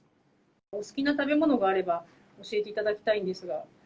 お好きな食べ物があれば教えていただきたいんですが。